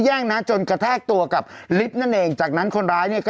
แย่งนะจนกระแทกตัวกับลิฟต์นั่นเองจากนั้นคนร้ายเนี่ยก็